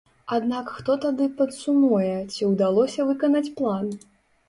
Аднак хто тады падсумуе, ці ўдалося выканаць план?